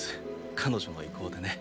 彼女の意向でね。